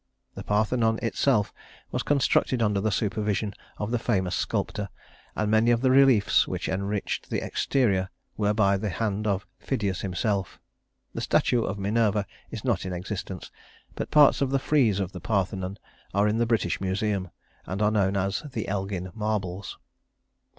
The Parthenon itself was constructed under the supervision of the famous sculptor; and many of the reliefs which enriched the exterior were by the hand of Phidias himself. The statue of Minerva is not in existence, but parts of the frieze of the Parthenon are in the British Museum and are known as the Elgin Marbles.